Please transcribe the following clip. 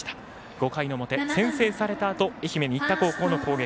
５回の表、先制されたあと愛媛・新田高校の攻撃。